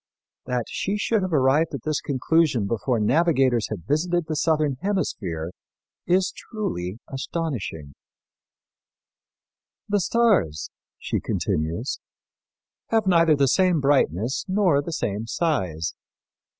That she should have arrived at this conclusion before navigators had visited the southern hemisphere is truly astonishing. "The stars," she continues, "have neither the same brightness nor the same size.